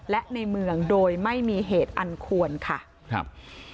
และในเมืองโดยไม่มีเหตุอันควรค่ะครับ